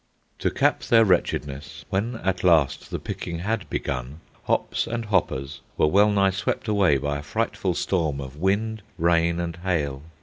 To cap their wretchedness, when at last the picking had begun, hops and hoppers were well nigh swept away by a frightful storm of wind, rain, and hail.